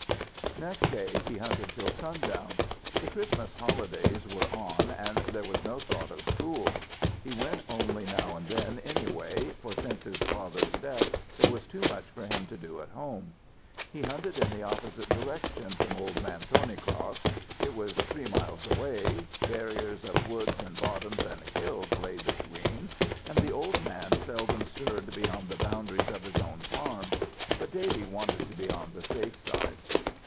Next day he hunted till sundown. The Christmas holidays were on and there was no thought of school. He went only now and then, anyway, for since his father's death there was too much for him to do at home. He hunted in the opposite direction from Old Man Thornycroft's. It was three miles away; barriers of woods and bottoms and hills lay between, and the old man seldom stirred beyond the boundaries of his own farm; but Davy wanted to be on the safe side.